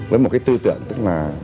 với một cái tư tượng tức là